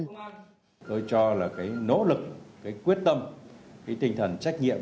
thì tôi cho là cái nỗ lực cái quyết tâm cái tinh thần trách nhiệm